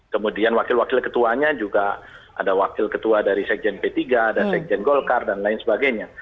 kemudian wakil wakil ketuanya juga ada wakil ketua dari sekjen p tiga ada sekjen golkar dan lain sebagainya